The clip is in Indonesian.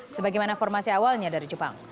sebagaimana formasi awalnya dari jepang